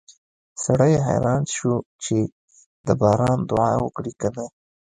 سړی حیران شو چې د باران دعا وکړي که نه